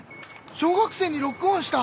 小学生にロックオンした！